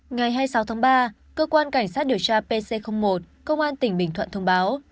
ngày hai mươi sáu tháng ba cơ quan cảnh sát điều tra pc một công an tỉnh bình thuận thông báo